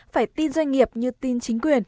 phải tin doanh nghiệp như tin chính quyền